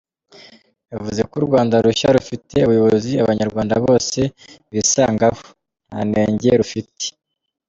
Yavuze ko u Rwanda rushya rufite ubuyobozi abanyarwanda bose bisangaho, “nta nenge rufite.